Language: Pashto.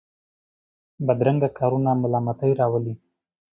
بدرنګه کارونه ملامتۍ راولي